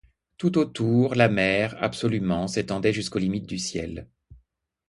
Tout autour, la mer, absolument, s’étendait jusqu’aux limites du ciel.